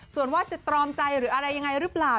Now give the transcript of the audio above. ส่วนว่าจะตรอมใจหรืออะไรยังไงหรือเปล่า